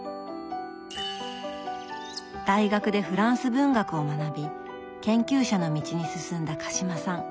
大学でフランス文学を学び研究者の道に進んだ鹿島さん。